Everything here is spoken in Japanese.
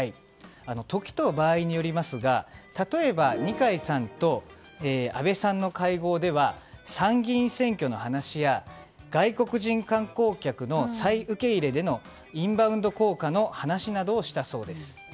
時と場合によりますが例えば二階さんと安倍さんの会合では、参議院選挙の話や外国人観光客の再受け入れでのインバウンド効果の話などをしたそうです。